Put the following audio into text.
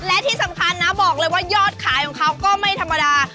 และที่สำคัญนะบอกเลยว่ายอดขายของเขาก็ไม่ธรรมดา